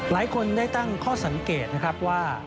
หลายคนได้ตั้งข้อสังเกตนะครับว่า